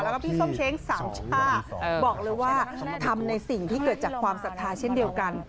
แล้วก็พี่ส้มเช้งสามช่าบอกเลยว่าทำในสิ่งที่เกิดจากความศรัทธาเช่นเดียวกัน